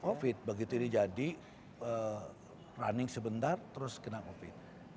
covid begitu ini jadi running sebentar terus kena covid